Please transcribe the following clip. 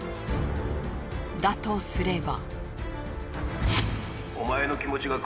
だとすれば。